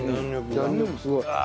弾力すごい。